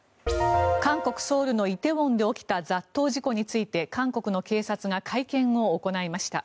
韓国ソウルの梨泰院で起きた雑踏事故について韓国の警察が会見を行いました。